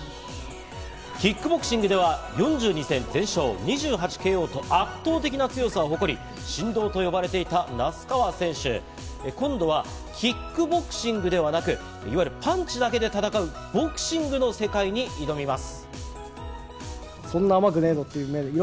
キックボクシングでは４２戦全勝２８ＫＯと圧倒的な強さを誇り、神童と呼ばれていた那須川選手、今度はキックボクシングではなく、いわゆるパンチだけで戦う、ボクシングの世界に挑みます。